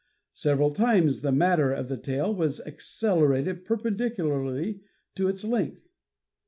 Several times the matter of the tail was accelerated perpendicularly to its length.